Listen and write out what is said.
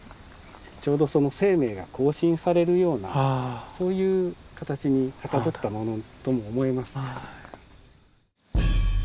ちょうどその生命が更新されるようなそういう形にかたどったものとも思えます。